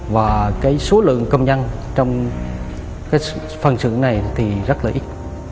và cái số lượng công nhân trong phần xưởng này thì rất là ít